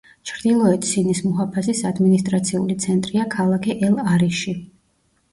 ჩრდილოეთ სინის მუჰაფაზის ადმინისტრაციული ცენტრია ქალაქი ელ-არიში.